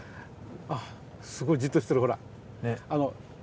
すごいじっとしてるほら！